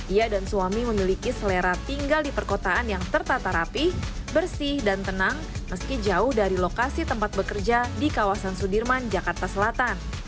ia dan suami memiliki selera tinggal di perkotaan yang tertata rapih bersih dan tenang meski jauh dari lokasi tempat bekerja di kawasan sudirman jakarta selatan